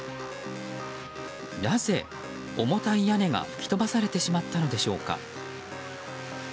なぜ重たい屋根が吹き飛ばされてしまったのでしょうか。